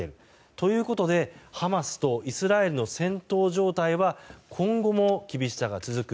ということで、ハマスとイスラエルの戦闘状態は今度も厳しさが続く